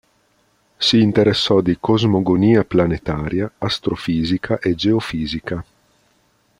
Si interessò di cosmogonia planetaria, astrofisica e geofisica.